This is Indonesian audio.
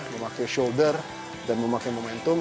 memakai shoulder dan memakai momentum